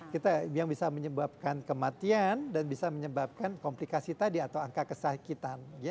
kita yang bisa menyebabkan kematian dan bisa menyebabkan komplikasi tadi atau angka kesakitan